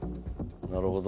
なるほど。